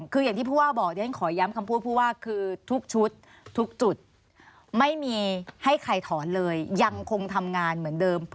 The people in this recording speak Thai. คืออย่างที่ผู้ว่าบอกเดี๋ยวฉันขอย้ำคำพูดผู้ว่าคือทุกชุดทุกจุดไม่มีให้ใครถอนเลยยังคงทำงานเหมือนเดิม